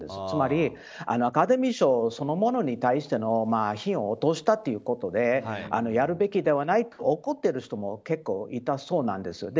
つまりアカデミー賞そのものに対しての品位を落としたということでやるべきではないと怒ってる人も結構いたそうなんです。